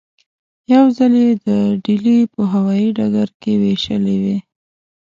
یو ځل یې د ډیلي په هوايي ډګر کې وېشلې وې.